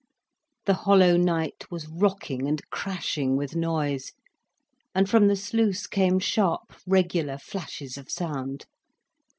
The hollow night was rocking and crashing with noise, and from the sluice came sharp, regular flashes of sound.